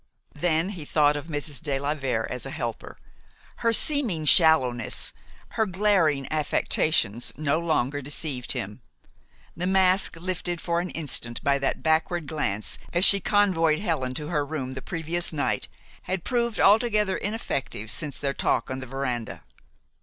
Then he thought of Mrs. de la Vere as a helper. Her seeming shallowness, her glaring affectations, no longer deceived him. The mask lifted for an instant by that backward glance as she convoyed Helen to her room the previous night had proved altogether ineffective since their talk on the veranda.